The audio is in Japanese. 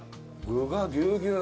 具がぎゅうぎゅう。